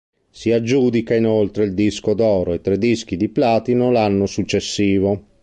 Si aggiudica inoltre il disco d'oro e tre dischi di platino l'anno successivo.